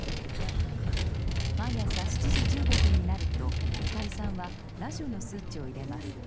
毎朝７時１５分になると光さんはラジオのスイッチを入れます。